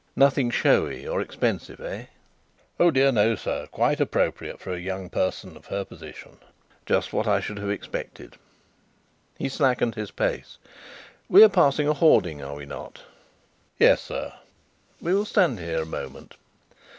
"Nothing showy or expensive, eh?" "Oh dear no, sir. Quite appropriate for a young person of her position." "Just what I should have expected." He slackened his pace. "We are passing a hoarding, are we not?" "Yes, sir." "We will stand here a moment.